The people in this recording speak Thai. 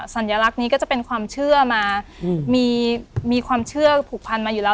สัญลักษณ์นี้ก็จะเป็นความเชื่อมามีความเชื่อผูกพันมาอยู่แล้ว